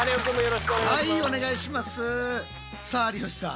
さあ有吉さん。